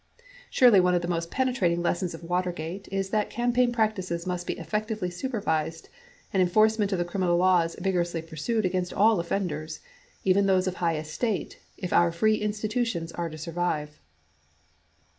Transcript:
Surely one of the most penetrating lessons of Watergate is that campaign practices must be effectively supervised and enforcement of the criminal laws vigorously pursued against all offenders — even those of high estate — if our free institutions are to survive.